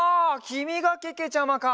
きみがけけちゃまか。